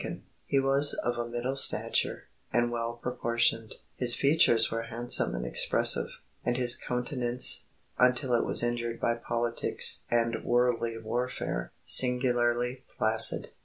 ] "He was of a middle stature, and well proportioned; his features were handsome and expressive, and his countenance, until it was injured by politics and worldly warfare, singularly placid.